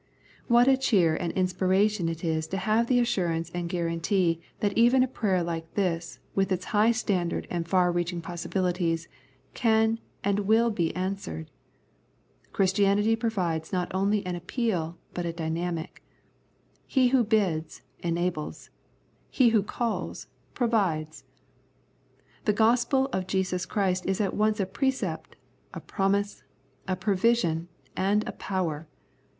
What a cheer and inspiration it is to have the assurance and guarantee that even a prayer like this, with its high standard and far reaching possibilities, can and will be answered. Christianity provides not only an appeal, but a dynamic. He Who bids, enables ; He Who calls, provides. The Gospel of Jesus Christ is at once a precept, a promise, a provision, and a power.